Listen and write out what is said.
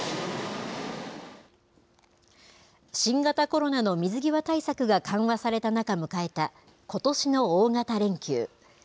新型コロナの水際対策が緩和された中迎えたことしの大型連休。